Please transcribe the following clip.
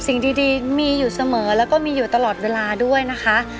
สิ่งดีมีอยู่เสมอแล้วก็มีอยู่ตลอดเวลาด้วยนะคะ